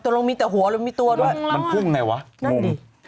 ตัวลงมีแต่หัวแล้วมีตัวด้วยมันพุ่งไงวะงงมันพุ่งแล้ว